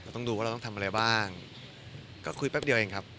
ต้องดูว่าเราต้องทำอะไรบ้างก็คุยแป๊บเดียวเองครับ